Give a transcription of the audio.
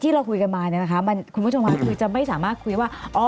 ที่เราคุยกันมาคุณผู้ชมค่ะคือจะไม่สามารถคุยว่า